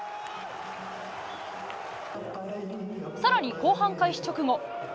さらに後半開始直後。